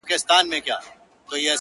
که محشر نه دی نو څه دی-